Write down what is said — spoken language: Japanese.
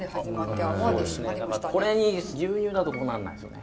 これに牛乳だとこうなんないですよね。